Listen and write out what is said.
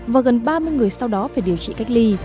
và gần ba mươi người sau đó phải điều trị cách ly